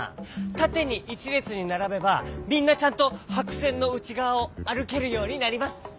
たてに１れつにならべばみんなちゃんとはくせんのうちがわをあるけるようになります！